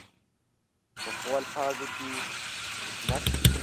پخو الفاظو کې حکمت وي